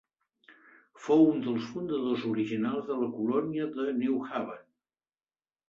Fou un dels fundadors originals de la colònia de New Haven.